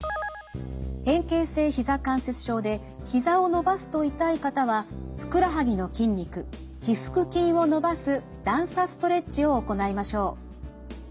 変形性ひざ関節症でひざを伸ばすと痛い方はふくらはぎの筋肉腓腹筋を伸ばす段差ストレッチを行いましょう。